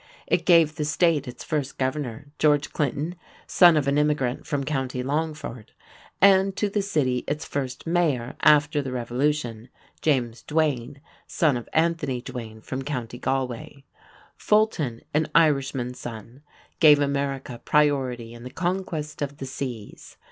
It gave the State its first governor, George Clinton, son of an immigrant from Co. Longford, and to the city its first mayor after the Revolution, James Duane, son of Anthony Duane from Co. Galway. Fulton, an Irishman's son, gave America priority in the "conquest of the seas."